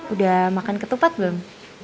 udah makan ketupat belum